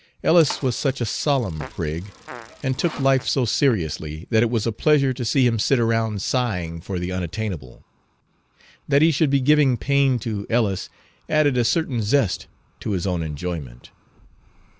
Ellis was such a solemn prig, and took life so seriously, that it was a pleasure to see him sit around sighing for the unattainable. That he should be giving pain to Ellis added a certain zest to his own enjoyment.